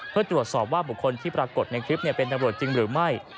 เพื่อตรวจสอบว่าบุคคลที่ปรากฏในคลิปเป็นตำรวจจริงหรือไม่